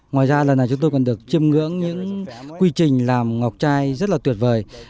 ngoài ra lần này chúng tôi còn được chiêm ngưỡng những quy trình làm ngọc chai rất là tuyệt vời